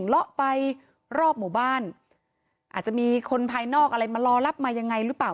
เลาะไปรอบหมู่บ้านอาจจะมีคนภายนอกอะไรมารอรับมายังไงหรือเปล่า